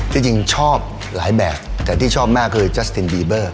จริงชอบหลายแบบแต่ที่ชอบมากคือจัสตินบีเบอร์